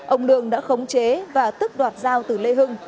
ông lương đã khống chế và tức đoạt dao từ lê hưng